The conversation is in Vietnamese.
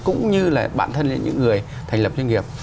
cũng như là bản thân là những người thành lập doanh nghiệp